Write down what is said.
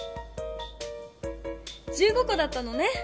１５こだったのね！